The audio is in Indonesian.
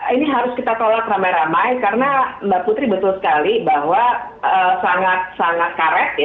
ini harus kita tolak ramai ramai karena mbak putri betul sekali bahwa sangat sangat karet